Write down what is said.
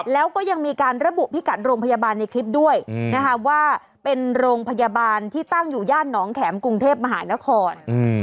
แล้วก็ยังมีการระบุพิกัดโรงพยาบาลในคลิปด้วยนะคะว่าเป็นโรงพยาบาลที่ตั้งอยู่ย่านหนองแข็มกรุงเทพมหานคร